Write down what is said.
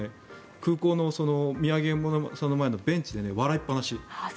空港の土産物屋の前のベンチで笑いっぱなし。